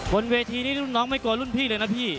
บนเวทีนี้รุ่นน้องไม่กลัวรุ่นพี่เลยนะพี่